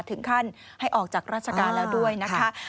ถึงขั้นให้ออกจากราชการแล้วด้วยนะคะ